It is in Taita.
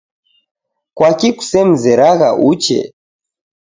Kwaki kusemzeragha uche